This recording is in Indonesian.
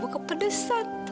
mas gue mau balik lagi sama kamu